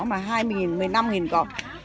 mà hai mươi một mươi năm đồng có